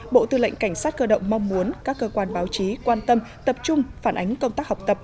bộ tư lệnh cảnh sát cơ động mong muốn các cơ quan báo chí quan tâm tập trung phản ánh công tác học tập